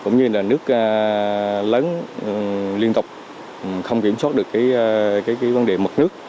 mưa lớn liên tục không kiểm soát được cái vấn đề mật nước